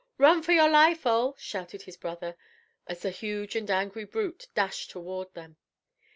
"Run for your life, Ole," shouted his brother, as the huge and angry brute dashed toward them.